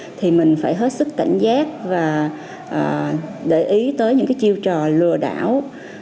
lớn bây giờ thì mình phải hết sức cảnh giác và để ý tới những chiêu trò lừa đảo